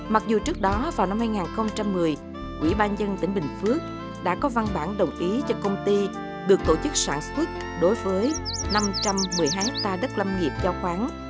mặc dù trước đó vào năm hai nghìn một mươi quỹ ba nhân tỉnh bình phước đã có văn bản đồng ý cho công ty được tổ chức sản xuất đối với năm trăm một mươi hai hectare đất lâm nghiệp giao khoáng